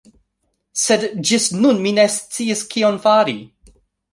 Sed ĝis nun mi ne sciis kion fari